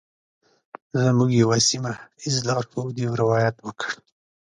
زموږ یوه سیمه ایز لارښود یو روایت وکړ.